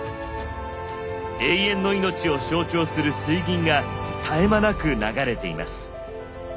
「永遠の命」を象徴する水銀が絶え間なく流れています。